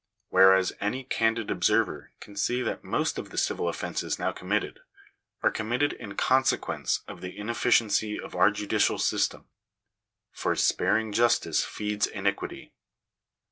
Whereas any candid observer can see that most of the civil offences now committed, are committed in conse quence of the inefficiency of our judicial system ;" For sparing justice feeds iniquity."